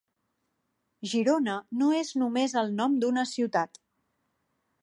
"Girona" no és només el nom d'una ciutat.